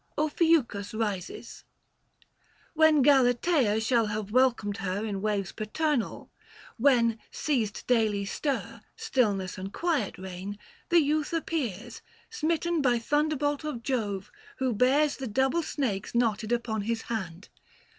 OPHIUCHUS RISES. When Galateia shall have welcomed her In waves paternal ; when, ceased daily stir, Stillness and quiet reign, the youth appears, Smitten by thunderbolt of Jove, who bears 885 The double snakes knotted upon his hand.